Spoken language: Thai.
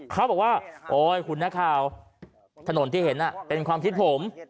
เขาบอกว่าโอ๊ยคุณนักข่าวถนนที่เห็นเป็นความคิดผม